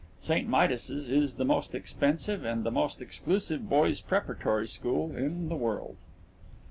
St. Midas's is the most expensive and the most exclusive boys' preparatory school in the world.